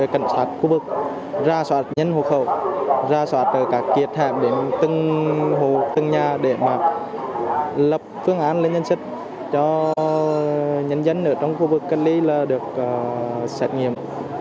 cảnh sát khu vực ra soát nhân hộ khẩu ra soát các kết hạm đến từng hồ từng nhà để mà lập phương án lây nhiễm sức cho nhân dân ở trong khu vực cách ly là được xét nghiệm